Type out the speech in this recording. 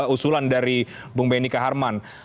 usulan dari bung benika harman